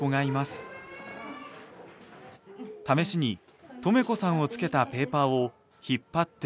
試しにとめこさんを付けたペーパーを引っ張ってもらうと。